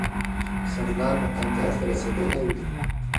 سردار به کندهار ته رسېدلی وي.